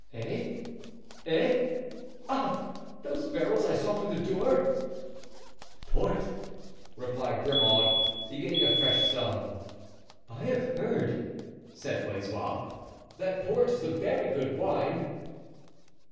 "Eh? eh? ah? Those barrels I saw through the door?" "Port!" replied Grimaud, beginning a fresh sum. "I have heard," said Blaisois, "that port is a very good wine."